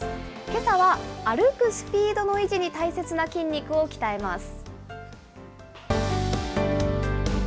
けさは歩くスピードの維持に大切な筋肉を鍛えます。